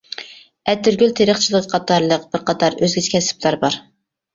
ئەتىرگۈل تېرىقچىلىقى قاتارلىق بىر قاتار ئۆزگىچە كەسىپلەر بار.